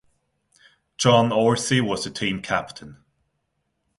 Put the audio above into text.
John Orsi was the team captain.